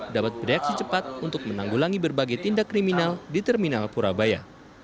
dapat bereaksi cepat untuk menanggulangi berbagai tindak kriminal di terminal purabaya